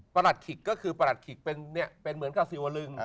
หลัดขิกก็คือประหลัดขิกเป็นเหมือนกับสิวลึง